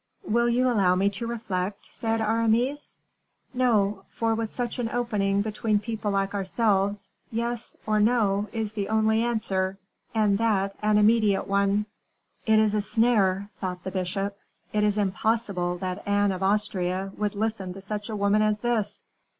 "Will you allow me to reflect?" said Aramis. "No, for with such an opening between people like ourselves, 'yes' or 'no' is the only answer, and that an immediate one." "It is a snare," thought the bishop; "it is impossible that Anne of Austria would listen to such a woman as this."